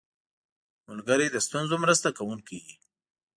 ملګری د ستونزو مرسته کوونکی وي